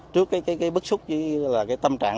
trước cái bức xúc cái tâm trạng